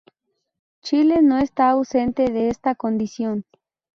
Chile no se está ausente de esta condición.